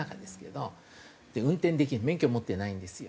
運転できない免許持ってないんですよ。